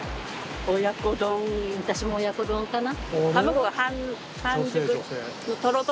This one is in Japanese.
私も親子丼かな。